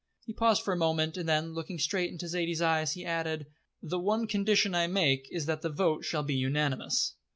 He paused for a moment and then, looking straight into Zaidie's eyes, he added: "The one condition I make is that the vote shall be unanimous."